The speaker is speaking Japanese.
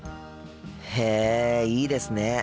へえいいですね。